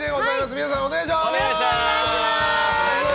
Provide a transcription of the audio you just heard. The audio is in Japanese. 皆さん、お願いします。